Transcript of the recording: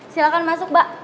silahkan masuk mbak